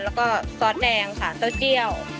แล้วก็ซอสแดงค่ะเต้าเจี่ยว